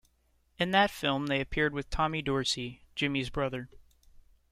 In that film, they appeared with Tommy Dorsey, Jimmy's brother.